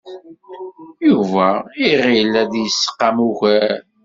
Yuba iɣil ad d-yesqam ugar.